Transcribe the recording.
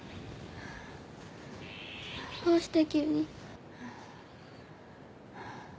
どうして急に。